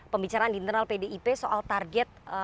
pembicaraan di internal pdip soal target